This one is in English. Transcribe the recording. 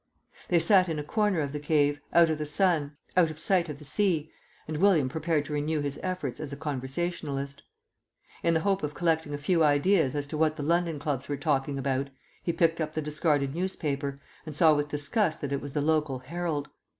They sat in a corner of the cave, out of the sun, out of sight of the sea, and William prepared to renew his efforts as a conversationalist. In the hope of collecting a few ideas as to what the London clubs were talking about he picked up the discarded newspaper, and saw with disgust that it was the local Herald.